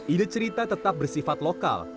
ide cerita tetap bersifat lokal